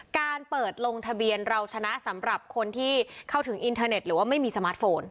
การเปิดลงทะเบียนเราชนะสำหรับคนที่เข้าถึงอินเทอร์เน็ตหรือว่าไม่มีสมาร์ทโฟน